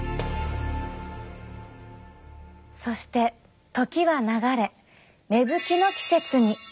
そして時は流れ芽吹きの季節に。